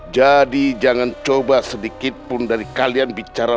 jadi jangan coba sedikitpun dari kalian bicara